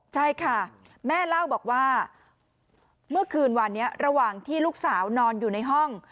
ใช่ค่ะแม่เล่าบอกว่าเมื่อคืนวันนี้ระหว่างที่ลูกสาวนอนอยู่ในห้อง